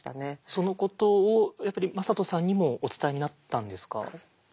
そのことをやっぱり魔裟斗さんにもお伝えになったんですか？